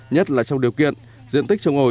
nhất là trong điều kiện diện tích trồng ổi